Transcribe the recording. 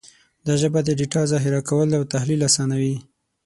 دا ژبه د ډیټا ذخیره کول او تحلیل اسانوي.